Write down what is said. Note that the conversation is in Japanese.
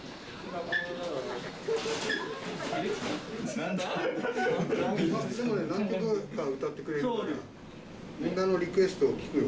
何曲か歌ってくれるからみんなのリクエストを聞くよ。